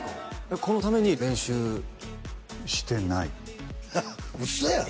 このために練習してないハハッ嘘やん？